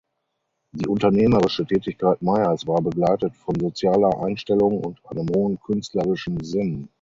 Die unternehmerische Tätigkeit Mayers war begleitet von sozialer Einstellung und einem hohen künstlerischen Sinn.